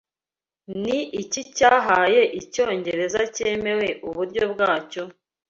Ni iki cyahaye Icyongereza cyemewe uburyo bwacyo?